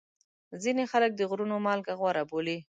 ځینې خلک د غرونو مالګه غوره بولي.